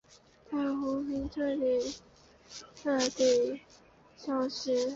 太平湖已彻底消失。